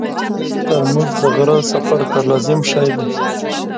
ترموز د غره سفر ته لازم شی دی.